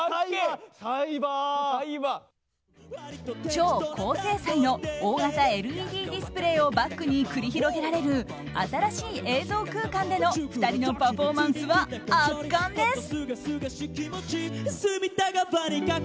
超高精細の大型ＬＥＤディスプレーをバックに繰り広げられる新しい映像空間での２人のパフォーマンスは圧巻です。